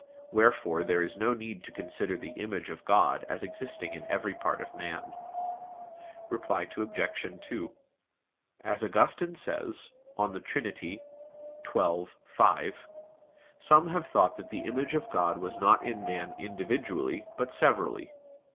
Wherefore there is no need to consider the image of God as existing in every part of man. Reply Obj. 2: As Augustine says (De Trin. xii, 5), some have thought that the image of God was not in man individually, but severally.